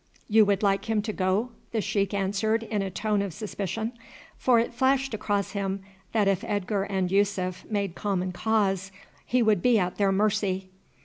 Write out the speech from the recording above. "You would like him to go?" the sheik asked in a tone of suspicion, for it flashed across him that if Edgar and Yussuf made common cause he would be at their mercy.